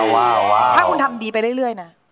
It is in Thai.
ถ้าคุณทำดีไปเรื่อยนะ